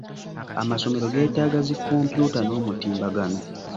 Amasomero geetaaga zi kompyuta n'omutimbagano.